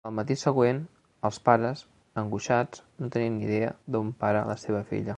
Al matí següent, els pares, angoixats, no tenen ni idea d'on para la seva filla.